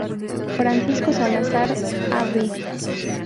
Francisco Salazar, Av.